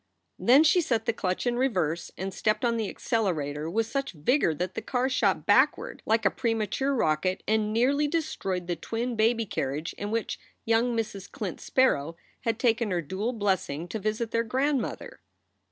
Then she set the clutch in reverse, and stepped on the accelerator with such vigor that the car shot backward like a premature rocket and nearly destroyed the twin baby carriage in which young Mrs. Clint Sparrow had taken her dual blessing to visit their grandmother.